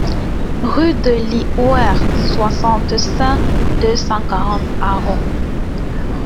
Rue de Lyouères, soixante-cinq, deux cent quarante Arreau